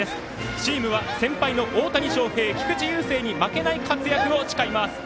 チームは先輩の大谷翔平菊池雄星に負けない活躍を誓います。